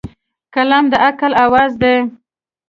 قلم د عقل اواز دی.